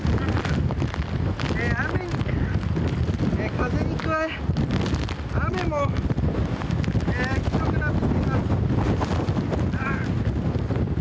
風に加え、雨もひどくなってきています。